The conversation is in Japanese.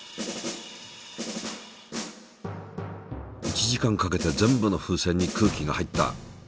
１時間かけて全部の風船に空気が入った。